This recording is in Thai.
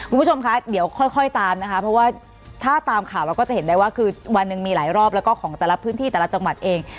คุณผู้ชมคะเดี๋ยวค่อยตามนะคะเพราะว่าถ้าตามข่าวเราก็จะเห็นได้ว่าคือวันหนึ่งมีหลายรอบแล้วก็ของแต่ละพื้นที่แต่ละจังหวัดเอง